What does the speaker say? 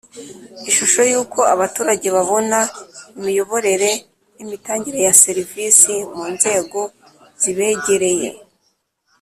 Ishusho y uko Abaturage babona Imiyoborere n Imitangire ya Serivisi mu nzego zibegereye